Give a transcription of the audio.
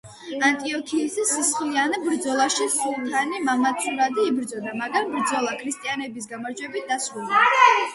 ანტიოქიის სისხლიან ბრძოლაში, სულთანი მამაცურად იბრძოდა, მაგრამ ბრძოლა ქრისტიანების გამარჯვებით დასრულდა.